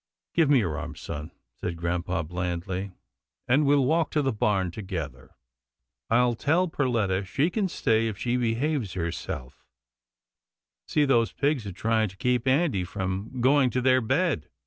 "" Give me your arm, son," said grampa blandly, " and we'll walk to the barn together. I'll tell Per letta she can stay if she behaves herself — see those pigs are trying to keep Andy from going to their bed.